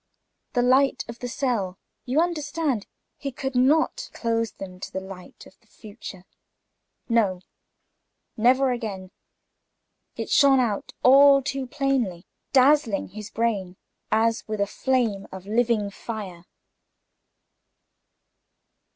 The light of the cell, you understand; he could not close them to the light of the future. No; never again; it shone out all too plainly, dazzling his brain as with a flame of living fire.